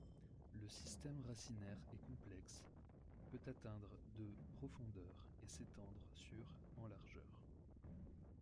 Le système racinaire est complexe, peut atteindre de profondeur et s'étendre sur en largeur.